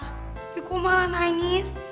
tapi kok malah nangis